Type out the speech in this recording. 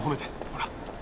ほら。